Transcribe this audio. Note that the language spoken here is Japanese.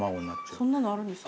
そんなのあるんですか？